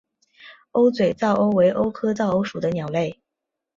鸥嘴噪鸥为鸥科噪鸥属的鸟类。